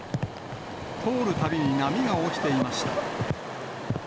通るたびに波が起きていました。